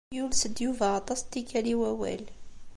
Yules-d Yuba aṭas n tikkal i wawal.